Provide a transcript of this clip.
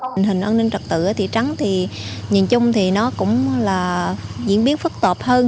tình hình an ninh trật tự ở thị trấn thì nhìn chung thì nó cũng là diễn biến phức tạp hơn